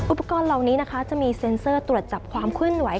อุปกรณ์เหล่านี้จะมีเซ็นเซอร์ตรวจจับความขึ้นไหว